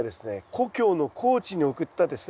故郷の高知に送ったですね